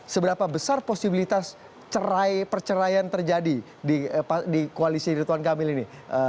seberapa besar posibilitas cerai perceraian terjadi di koalisi rituan kamil ini